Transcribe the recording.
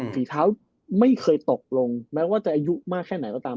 ฝีเท้าไม่เคยตกลงแม้ว่าจะอายุมากแค่ไหนก็ตาม